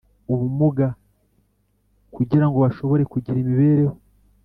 Ubumuga kugirango bashobore kugira imibereho